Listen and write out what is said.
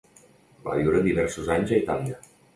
Va viure diversos anys a Itàlia.